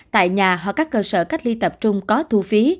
tại nhà hoặc các cơ sở cách ly tập trung có thu phí